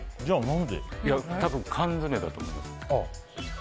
多分、缶詰だと思います。